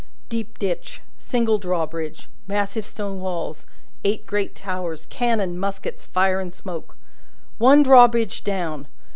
Deep ditch, single drawbridge, massive stone walls, eight great towers, cannon, muskets, fire and smoke. One drawbridge down!